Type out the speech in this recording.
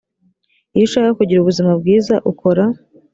iyo ushaka kugira ubuzima bwiza ukora